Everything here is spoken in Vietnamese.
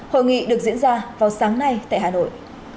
hội nghị được diễn ra vào sáng nay tại hà nội